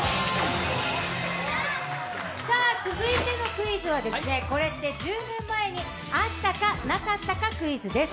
続いてのクイズは、「これって１０年前にあった？なかった？クイズ」です。